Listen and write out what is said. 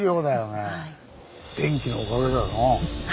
電気のおかげだよな。